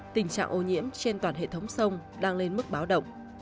tình trạng ô nhiễm trên toàn hệ thống sông đang lên mức báo động